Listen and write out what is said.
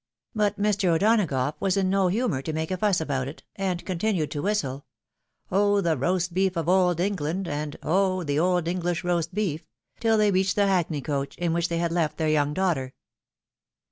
But Mr. O'Donagough was in no humour to make a fuss about it, and continued to whistle " Oh ! the roast beef of Old England, and, oh ! the old English roast beef," tiU they reached the haokney coach, in which they had left their young daughter.